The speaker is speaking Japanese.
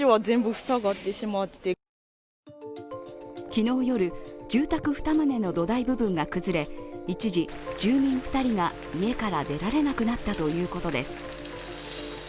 昨日夜、住宅２棟の土台部分が崩れ、一時、住民２人が家から出られなくなったということです。